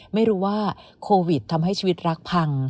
ไม่รู้ว่าโควิดทำให้ชีวิตรักพัง